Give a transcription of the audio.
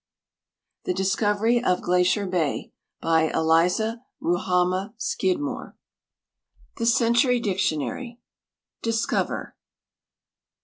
THE DISCOVERY OF GLACIER BAY, ALASKA By Eliza Kuhamah Scidmoke {The Cerdunj Dictionary) "Di.scover — t.